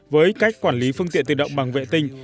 với cách quản lý phương tiện tự động bằng vệ tinh